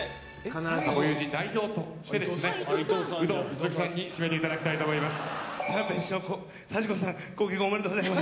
ご友人代表としてウド鈴木さんに締めていただきたいと思います。